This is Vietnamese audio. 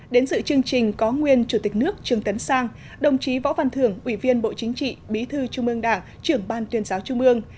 đến dự chương trình có nguyên chủ tịch nước trương tấn sang đồng chí võ văn thưởng ủy viên bộ chính trị bí thư trung ương đảng trưởng ban tuyên giáo trung ương